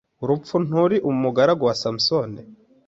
UrupfuNturi umugaragu wa Samusoni